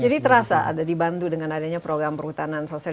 jadi terasa ada dibantu dengan adanya program perhutanan sosial